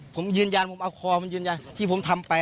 ผมยืนยันผมเอาคอมันยืนยันที่ผมทำไป